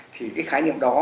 thì cái khái niệm đó